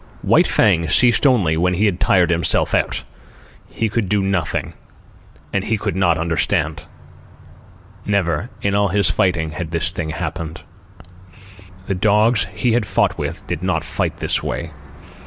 White Fang ceased only when he had tired himself out. He could do nothing, and he could not understand. Never, in all his fighting, had this thing happened. The dogs he had fought with did not fight that way.